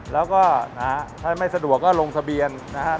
แล้วก็ถ้าไม่สะดวกก็ลงทะเบียนนะครับ